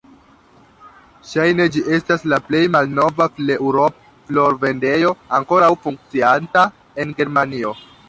Ŝajne ĝi estas la plej malnova "Fleurop"-florvendejo ankoraŭ funkcianta en Germanio.